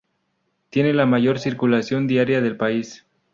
Tiene la mayor circulación diaria del país.